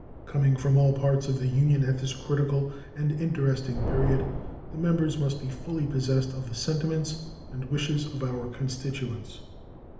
Coming from all parts of the Union at this critical and interesting period, the members must be fully possessed of the sentiments and wishes of our constituents.